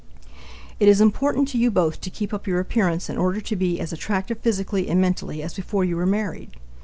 It is important to you both to keep up your appearance in order to be as attractive physically and mentally as before you were married.